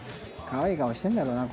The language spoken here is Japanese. かわいい顔してるんだろうな